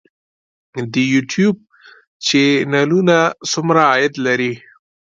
د یوټیوب چینلونه څومره عاید لري؟